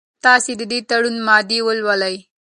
تاسي د دې تړون مادې ولولئ.